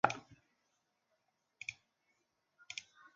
担任广东宝丽华新能源股份有限公司董事长。